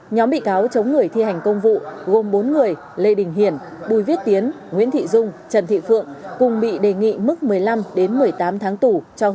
nhóm bị cáo chống người thi hành công vụ gồm bốn người lê đình hiển bùi viết tiến nguyễn thị dung trần thị phượng cùng bị đề nghị mức một mươi năm một mươi tám tháng tù